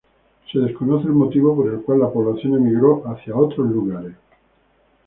Se desconoce el motivo por el cual la población emigró hacia otros lugares.